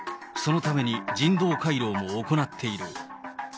そのために人道回廊も行っている。